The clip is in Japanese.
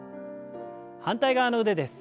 反対側の腕です。